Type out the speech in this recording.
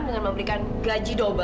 dengan memberikan gaji untuk mita